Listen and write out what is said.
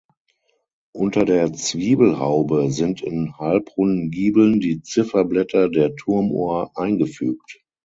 Unter der Zwiebelhaube sind in halbrunden Giebeln die Zifferblätter der Turmuhr eingefügt.